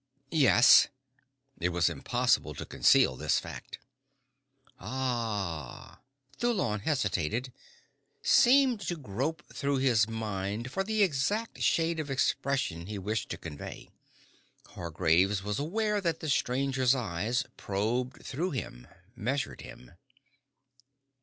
"Yes." It was impossible to conceal this fact. "Ah." Thulon hesitated, seemed to grope through his mind for the exact shade of expression he wished to convey. Hargraves was aware that the stranger's eyes probed through him, measured him.